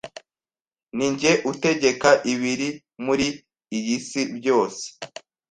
Ni jye utegeka ibiri muri iyi si byose;